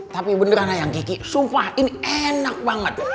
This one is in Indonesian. tapi beneran yang gigi sumpah ini enak banget